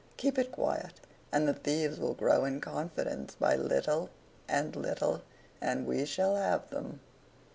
Keep it quiet, and the thieves will grow in confidence by little and little, and we shall have 'em.